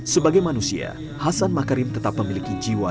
sebagai manusia hasan makarim tetap memiliki jiwa